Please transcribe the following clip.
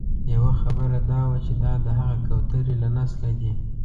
یوه خبره دا وه چې دا د هغه کوترې له نسله دي.